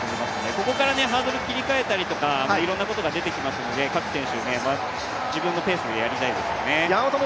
ここからハードル切り替えたりとかいろんなことが出てきますので各選手、自分のペースでやりたいですね。